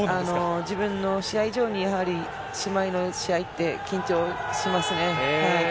自分の試合以上に姉妹の試合は緊張しますね。